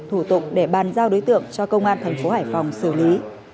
thủ tục để bàn giao đối tượng cho công an thành phố hải phòng xử lý